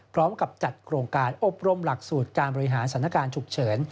พร้อมกับจัดโครงการอบรมหลักสูตรการบริหารสถานการณ์ฉุกเฉิน